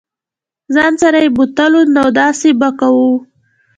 ځان سره یې بوتلو نو داسې به کوو.